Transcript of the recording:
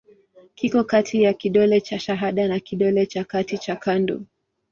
Kiko kati ya kidole cha shahada na kidole cha kati cha kando.